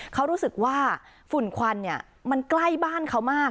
เขารู้สึกว่าฝุ่นควันมันใกล้บ้านเขามาก